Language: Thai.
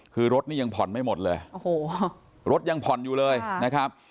คือรถนี่ยังผ่อนไม่หมดเลยโอ้โหรถยังผ่อนอยู่เลยนะครับ